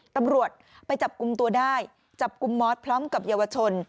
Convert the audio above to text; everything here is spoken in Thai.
ตำรวจไปจับกลุ่มตัวได้จับกลุ่มมอสพร้อมกับเยาวชน